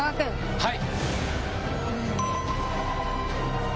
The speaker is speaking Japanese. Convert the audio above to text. はい！